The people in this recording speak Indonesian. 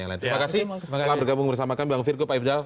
terima kasih telah bergabung bersama kami bang virgo pak ifdal